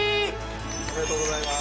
おめでとうございます。